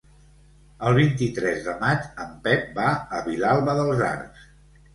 El vint-i-tres de maig en Pep va a Vilalba dels Arcs.